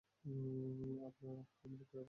আমরা প্রায় পৌঁছে গেছি!